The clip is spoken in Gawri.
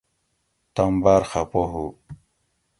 تم باۤر خفہ ہُو